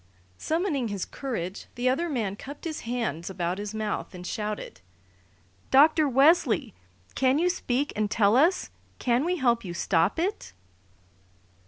Summoning his courage, the other man cupped his hands about his mouth and shouted: "Dr. Wesley! Can you speak and tell us? Can we help you stop it?"